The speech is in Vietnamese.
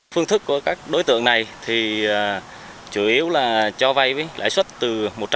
phương thức của các đối tượng này thì chủ yếu là cho vay lãi suất từ một trăm tám mươi